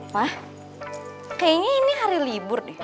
pa kayaknya ini hari libur deh